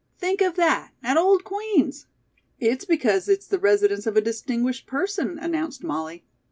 Think of that at old Queen's!" "It's because it's the residence of a distinguished person," announced Molly.